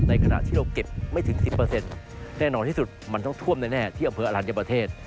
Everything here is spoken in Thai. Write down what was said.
ขณะที่เราเก็บไม่ถึง๑๐แน่นอนที่สุดมันต้องท่วมแน่ที่อำเภออรัญญประเทศ